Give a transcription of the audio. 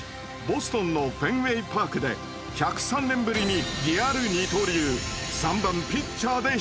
ボストンのフェンウェイパークで１０３年ぶりにリアル二刀流３番ピッチャーで出場。